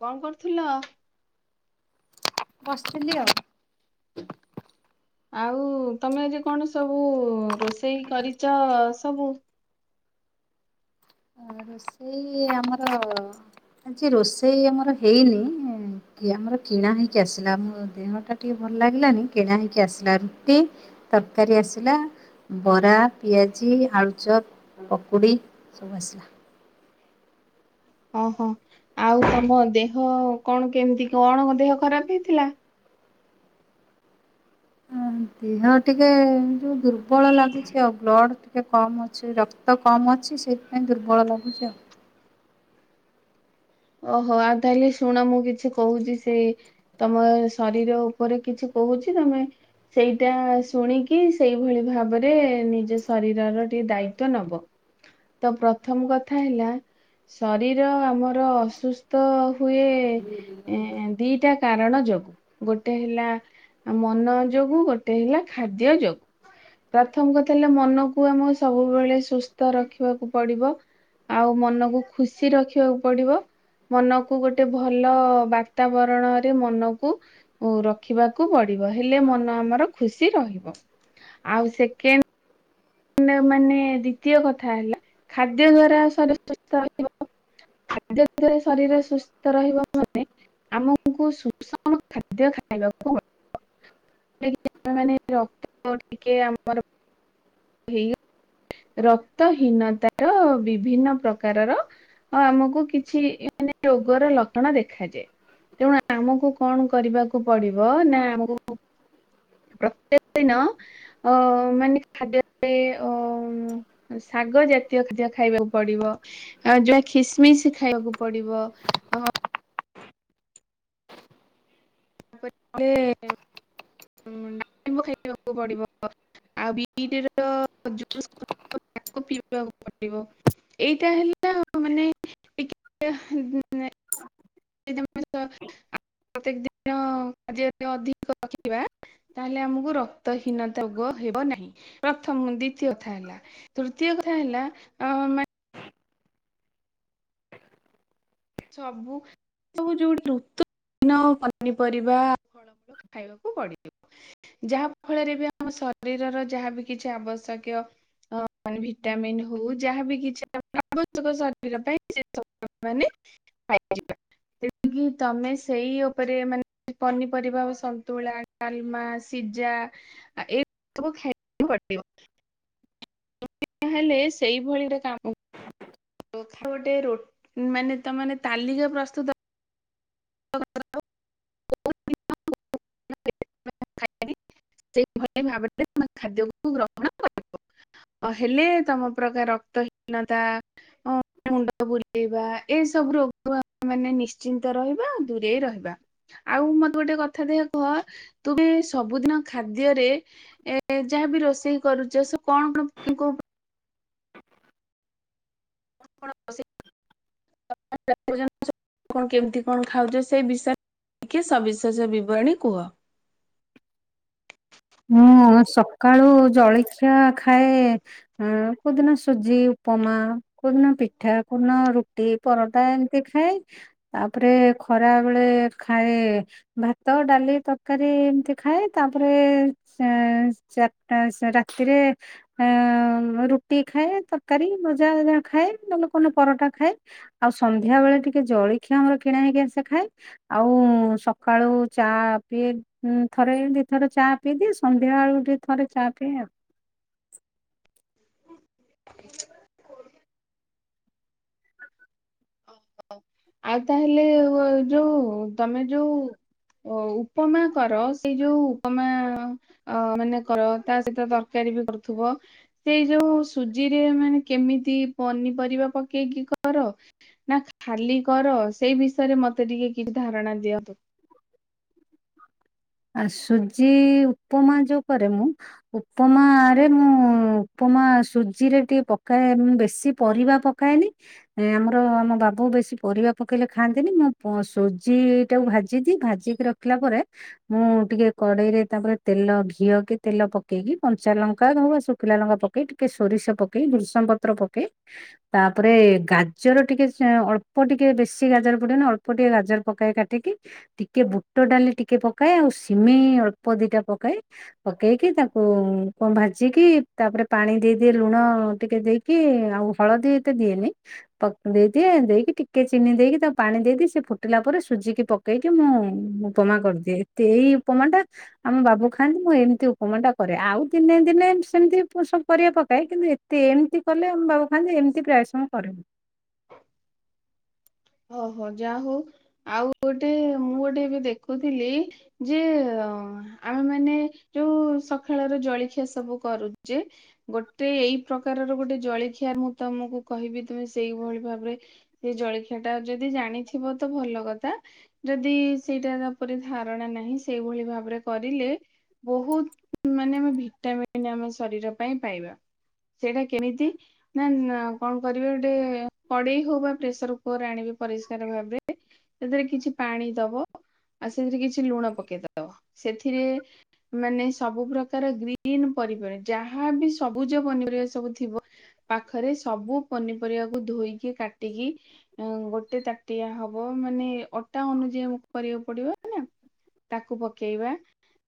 କଣ କରୁଥିଲ। ବସିଥିଲି ଆଉ। ଆଉ ତମେ ଆଜି କଣ ସବୁ ରୋଷେଇ କରିଛ ସବୁ। ରୋଷେଇ ଏଇ ଆମର ଆଜି ରୋଷେଇ ଆମର ହେଇନି ଆମର କିଣା ହେଇକି ଆସିଲା ଆମ ଦେହଟା ଟିକେ ଭଲ ଲାଗିଲାନି କିଣା ହେଇକି ଆସିଲା ରୁଟି ତରକାରୀ ଆସିଲା ବରା ପିଆଜି ଆଳୁଚପ ପକୁଡ଼ି ସବୁ ଆସିଲା। ଓହୋ ଆଉ ତମ ଦେହ କଣ କେମିତି କଣ ଦେହ ଖରାପ ହେଇଥିଲା। ଦେହ ଟିକେ ଯୋଉ ଦୁର୍ବଳ ଦୁର୍ବଳ ଲାଗୁଛି ଆଉ ବ୍ଲଡ଼ ଟି ଟିକେ କମ୍ ଅଛି ରକ୍ତ କମ୍ ଅଛି ସେଇଥିପାଇଁ ଦୁର୍ବଳ ଲାଗୁଛି ଆଉ। ଓହୋ ଆଉ ତାହେଲେ ଶୁଣ ମୁଁ କିଛି କହୁଛି ସେଇ ତମ ଶରୀର ଉପରେ କିଛି କହୁଛି ତମେ ସେଇଟା ଶୁଣିକି ସେଇଭଳି ଭାବରେ ନିଜ ଶରୀରର ଟିକେ ଦାୟିତଵ ନବ ତ ପ୍ରଥମ କଥା ହେଲା ଶରୀର ଆମର ଅସୁସ୍ଥ ହୁଏ ଦିଟା କାରଣ ଯୋଗୁ ଗୋଟେ ହେଲା ମନ ଯୋଗୁ ଗୋଟେ ହେଲା ଖାଦ୍ୟ ଯୋଗୁ ପ୍ରଥମ କଥା ହେଲେ ମନକୁ ଆମ ସବୁବେଳେ ସୁସ୍ଥ ରଖିବାକୁ ପଡିବ ଆଉ ମନକୁ ଖୁସି ରଖିବାକୁ ପଡିବ। ମନକୁ ଗୋଟେ ଭଲ ବାତାବରଣରେ ମନକୁ ରଖିବାକୁ ପଡିବ ହେଲେ ମନ ଆମର ଖୁସି ରହିବ ଆଉ ସେକେଣ୍ଡ। ମାନେ ଦ୍ଵିତୀୟ କଥା ହେଲା ଖାଦ୍ୟ ଦ୍ଵାରା ଶରୀ ସୁସ୍ଥ ରହିବ ଖାଦ୍ୟ ଦଵାରା ଶରୀର ସୁସ୍ଥ ରହିବ ମାନେ ଆମକୁ ସୁଷମ ଖାଦ୍ୟ ଖାଇବାକୁ ପଳିବାନ ରକ୍ତ ଟିକେ ଆମର ଇ ରକ୍ତ ହୀନତାର ବିଭିନ୍ନ ପ୍ରକାରର ଆମକୁ କିଛି ମାନେ ରୋଗର ଲକ୍ଷଣ ଦେଖାଯାଏ ତେଣୁ ଆମକୁ କଣ କରିବାକୁ ପଡିବ ନା ଆମକୁ ପ୍ରତ୍ୟେକ ଦିନ ଅ ମାନେ ଖାଦ୍ୟରେ ଅ ଶାଗ ଜାତୀୟ ଖାଦ୍ୟ ଖାଇବାକୁ ପଡିବ ଯାହା ଖିସମିଶ ଖାଇବାକୁ ପଡିବ ଅ ତାପରେ ଡାଳିମ୍ବ ଖାଇବାକୁ ପଡିବ ଆଉ ବିଟ ଜୁସ୍ ତାକୁ ପିଇବାକୁ ପଡିବ ଏଇଟା ହେଲା ମାନେ ଟିକେ ଦି ପ୍ରତ୍ୟେକ ଦିନ ଖାଦ୍ୟରେ ଅଧିକ ରଖିବା ତାହେଲେ ଆମକୁ ରକ୍ତହୀନତା ରୋଗ ହେବ ନାହିଁ ପ୍ରଥମ ଦ୍ଵିତୀୟ କଥା ହେଲା ତୃତୀୟ କଥା ହେଲା ସବୁ ସବୁ ଯୋଉଟ ଋତୁନ ପନିପରିବା ଫଳମୂଳ ଖାଇବାକୁ ପଡିଯିବ ଯାହା ଫଳରେ ବି ଆମ ଶରୀରର ଯାହାବ କିଛି ଆବଶ୍ୟକୀୟ ମାନେ ଭିଟାମନ୍ ହଉ ଯାହାବ କିଛି ଆବଶ୍ୟକ ଶରୀର ପାଇଁ ସେ ସୁ ମାନେ ଖି ତମେ ସେଇ ଉପରେ ମାନେ ପନିପରିବା ସନ୍ତୁଳା ଡାଲମା ସିଜା ଏଇ ସବୁ ଖାଇବାକୁ ପଡିବ। ହେଲେ ସେଇଭଳିରେ କାମ ଗୋଟେ ର ମାନେ ତମେ ତାଲିକା ପ୍ରସ୍ତୁତ ସେଭଳି ଭାବରେମେ ଖାଦ୍ୟକୁ ଗ୍ରହଣ କରିବ ହେଲେ ତମ ପ୍ରକାର ରକ୍ତହୀନତା ମୁଣ୍ଡ ବୁଲେଇବା ଏସବୁ ରୋଗ ଆମେ ମାନେ ନିଶ୍ଚିନ୍ତ ରହିବ [inaudible] ଦୂରେଇ ରହିବା ଆଉ ମତେ ଗୋଟେ କଥା ଦେ କହ ତୁମେ ସବୁଦିନ ଖାଦ୍ୟରେ ଯାହାବି ରୋଷେଇ କରୁଛ ସେ କଣ କୋ କଣ କେମିତି କଣ ଖାଉଛ ସେ ବିଷୟରେ ଟିକେ ସବିଶେଷ ବିବରଣୀ କୁହ [inaudible] ମୁଁ ସକାଳୁ ଜଳଖିଆ ଖାଏ କେଉଁଦିନ ସୁଜି ଉପମା କେଉଁଦିନ ପିଠା କେଉଁଦିନ ରୁଟି ପରଟା ଏମିତି ଖାଏ ତାପରେ ଖରା ବେଳେ ଖାଏ ଭାତ ଡାଲି ତରକାରୀ ଏମିତି ଖାଏ ତାପରେ ସେ ଚାରିଟା ରାତିରେ ରୁଟି ଖାଏ ତରକାରୀ ଭଜା ଖାଏ ନହେଲେ କହିଲ ପରଟା ଖାଏ ଆଉ ସନ୍ଧ୍ୟା ବେଳେ ଟିକେ ଜଳଖିଆ ଆମର କିଣା ହେଇକି ସେ ଖାଏ ଆଉ ସକାଳୁ ଚା ପିଏ ଥରେ ଦିଥର ଚା ପିଇଦିଏ ସନ୍ଧ୍ୟା ବେଳକୁ ଟିକେ ଥରେ ଚା ପିଇଏ ଆଉ। ହ [unintelligible] ଆଉ ତାହେଲେ ଯୋଉ ତୋମେ ଯୋଉ ଅ, ଉପ୍ ଉପମାକର ସେଇ ଯୋଉ ତୋମେ ଅ, ମାନେ କର ତା ସହିତ ତରକାରୀ ବି କରୁଥୁବ, ସେଇ ଯୋଉ ସୁଜିରେ ମାନେ କେମିତି ପନିପରିବା ପକେଇକି କର? ନା ଖାଲି କର ସେଇ ବିଷୟରେ ମୋତେ ଟିକେ କିଛି ଧାରଣା ଦିଅନ୍ତୁ। ଆ, ସୁଜି ଉପମା ଯୋଉ କରେ, ମୁଁ ଉପମାରେ ମୁଁ ଉପମା ସୁଜିରେ ଟିକେ ପକାଏ ମୁଁ ବେଶୀ ପରିବା ପକାଏନି। ଏଁ, ଆମର ଆମ ବାବୁ ବେଶୀ ପରିବା ପକେଇଲେ ଖାଆନ୍ତିନି। ମୁଁ ପ-ସୁଜି ଟାକୁ ଭାଜିଦିଏ। ଭାଜିକି ର ଖିଲା ପରେ ମୁଁ ଟିକେ କଡେଇରେ ତାପରେ ତେଲ ଘିଅ କି ତେଲ ପକେଇକି କଞ୍ଚା ଲଙ୍କା ହଉ ବା ଶୁଖିଲା ଲଙ୍କା ପକେଇ ଟିକେ ସୋରିଷ ପକେଇ ବୃସମ ପତ୍ର ପକେଇ ତାପରେ ଗାଜର ଟିକେ ସେଅଁ, ଅଳ୍ପ ଟିକେ ବେଶୀ ଗାଜର ପୁଡେନା ଅଳ୍ପ ଟିକେ ଗାଜର ପକାଏ। କାଟିକି ଟିକେ ବୁ ଟ ଡାଲି ଟିକେ ପକାଏ ଆଉ ସିମେଇ ଅଳ୍ପ ଦିଟା ପକାଏ। ପକେଇକି ତାକୁ କଣ ଭାଜିକି ତାପରେ ପାଣି ଦେଇଦିଏ। ଲୁଣ ଟିକେ ଦେଇକି ଆଉ ହଳଦୀ ଏତେ ଦିଏନି ପକ୍ ଦେଇଦିଏ ଦେଇକି ଟିକେ ଚିନି ଦେଇକି ତାକୁ ପାଣି ଦେଇଦିଏ। ସେ ଫୁଟିଲା ପରେ ସୁଜିକି ପକେଇକି ମୁଁ ମୁଁ ଉପମା କରିଦିଏ। ଏତେ ଏଇ ଉପମା ଟା ଆମ ବାବୁ ଖାଆନ୍ତି। ମୁଁ ଏମିତି ଉପମା ଟା କରେ ଆଉ ଦିନେ ଦିନେ ସେମିତି ସବୁ ପରିବା ପକାଏ। କିନ୍ତୁ ଏତେ ଏମିତି କଲେ ଆମ ବାବୁ ଖାଆନ୍ତି। ଏମିତି ପ୍ରାୟ ସମୟ କରେ ମୁଁ ଓହୋ! ଯା ହଉ ଆଉ ଗୋଟେ ମୁଁ ଗୋଟେ ଏବେ ଦେ କହୁଥିଲି ଯେ ଆମେ ମାନ ଯୋଉ ସଖାଳର ଜଳଖିଆ ସବୁ କରୁଚେ। ଗୋଟେ ଏଇ ପ୍ରକାରର ଗୋଟେ ଜଳଖିଆ ମୁଁ ତୋମକୁ କହିବି ତୁମେ ସେଇଭଳି ଭାବରେ ସେ ଜଳଖିଆ ସେଟା ଯଦି ଜାଣିଥିବ ତ ଭଲ କଥା। ଯଦି ସେଇଟା ଉପରେ ଧାରଣା ନାହିଁ। ସେଇଭଳି ଭାବରେ କରିଲେ ବହୁତ ମାନେ ଆମେ ଭିଟାମନ୍ ଆମ ଶରୀର ପାଇଁ ପାଇବା। ସେଇଟା କେମିତି ନା ଅଁ, କଣ କର ଗୋଟେ କଡେଇ ହଉ ବା ପ୍ରେସର୍ କୋଉଠୁ ଆଣିବି ପରିଷ୍କାର ଭାବେ ସେଥିରେ କିଛି ପାଣି ଦବ, ଆଉ ସେଥିରେ କିଛି ଲୁଣ ପକେଇଦବ। ସେଥିରେ ମାନେ ସବୁ ପ୍ରକାର ଗ୍ରୀନ୍ ପନିପରିବା ଯାହାବି ସବୁଜ ପନିପରିବା ସବୁ ଥିବ ପାଖରେ ସବୁ ପନିପରିବାକୁ ଧୋଇକି କାଟିକି ଅଁ, ଗୋଟେ ତାଟିଆ ହବ ମାନେ ଅଟା ଅନୁଯାୟୀ ଆମକୁ କରିବାକୁ ପଡିବ ନା। ତାକୁ ପକେଇବା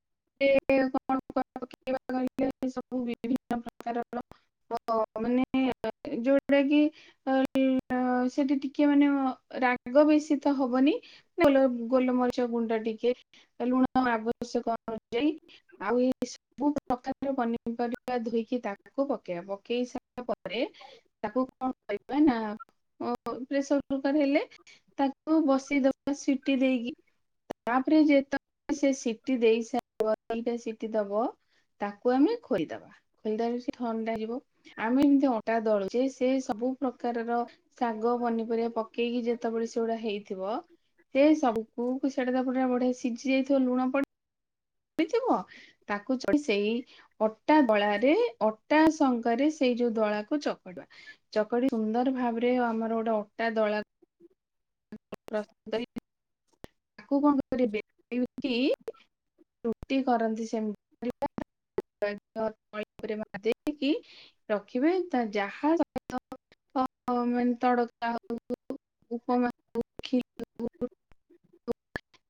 [inaudible] ଏ କଣ ସବୁ ପକେଇବା କହିଲେ, ଏଇ ସବୁ ବିଭିନ୍ନ ପ୍ରକାରର ପ- ମାନେ ଅ, ଯୋଉଟା କି [inaudible] ସେଠି ଟି କିଏ ମାନେ ମୋ ରାଗ ବେଶୀ ତ ହବନି। ନହେଲ ଗୋଲମରିଚ ଗୁଣ୍ଡ ଟିକେ, ଏ ଲୁଣ ଆବଶ୍ୟକ ଅନୁଯାୟୀ। ଆଉ ଏ ସବୁ ପ୍ରକାର ପନିପରିବା ଧୋଇକି ତାକୁ ପକେଇବା। ପକେଇ ସାରିଲା ପରେ। ତାକୁ କଣ କରିବା ନା ଅ, ପ୍ରେସର କୁକୁର୍ ହେଲେ ତାକୁ ବସେଇ ଦବା ସିଟି ଦେଇକି। ତାପରେ ଯେତ [inaudible] ସେ ସିଟି ଦେଇି ସାରିବ। ସିଟି ଦବ ତାକୁ ଆମେ ଖୋଲିଦବା। ଖୋଲିଦବା ସେ ଥଣ୍ଡା ଯିବ। ଆମେ ଏମିତି ଅଟା ଦଳୁଚେ, ସେ ସବୁ ପ୍ରକାରର ଶାଗ, ପନିପ ରେ ପକେଇକି ଯେତେବେଳେ ସେଉଡା ହେଇଥିବ, ସେ ସବୁକୁ ସେଟା ତ ପୁରା ବଢିଆ ସିଜି ଯାଇଥିବ। ଲୁଣ ପଡି [inaudible] ଥିବ, ତାକୁ [inaudible] ସେଇ ଅଟା ବଳାରେ ଅଟା ସଂ କରି ସେଇ ଯୋଉ ଦଳା କୁ ଚକଡିବା। ଚକଡି ସୁନ୍ଦର ଭାବରେ ଆମର ଗୋଟେ ଅଟା ଦଳା [inaudible] କରି, ତାକୁ କଣ କରିବେ [inaudible] ରୁଟି କରନ୍ତି ସେମ [inaudible] ଦେଇକି ରଖିବେ ତ ଯାହା [inaudible] ମାନେ ତଡକା ହଉ [inaudible] ଉପମା ତା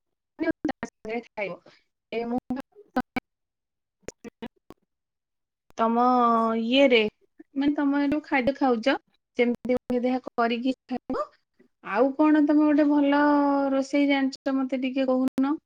[inaudible] ଖାଇବ [inaudible] ତୋମ ଇଏରେ ମାନେ ତମେ ଏ ଯୋଉ ଖାଇବା ଖାଉଚ। ସେମିତି [inaudible] କରିକି ଖାଇବ। ଆଉ କଣ ତୋମେ ଗୋଟେ ଭଲ ରୋଷେଇ ଜାଣିଛ ମୋତେ ଟିକେ କହୁନ?